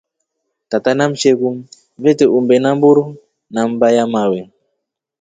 Tata na msheku vete umbe a mburu na mmba ya mawe.